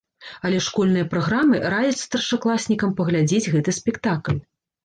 Але школьныя праграмы раяць старшакласнікам паглядзець гэты спектакль.